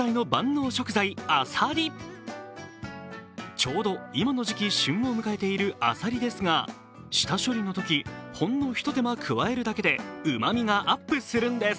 ちょうど今の時期、旬を迎えているあさりですが、下処理のとき、ほんのひと手間加えるだけでうまみがアップするんです。